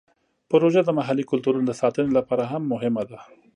پروژه د محلي کلتورونو د ساتنې لپاره هم مهمه ده.